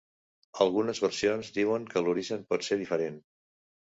Algunes versions diuen que l'origen pot ser diferent.